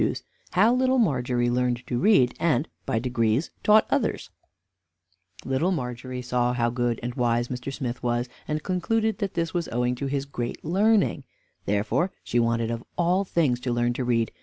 IV HOW LITTLE MARGERY LEARNED TO READ, AND BY DEGREES TAUGHT OTHERS Little Margery saw how good and how wise Mr. Smith was, and concluded that this was owing to his great learning, therefore she wanted of all things to learn to read.